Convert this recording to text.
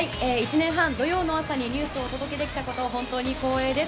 １年半、土曜の朝にニュースをお届けできたことを、本当に光栄です。